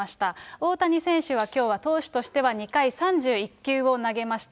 大谷選手はきょうは投手としては２回３１球を投げました。